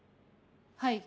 はい。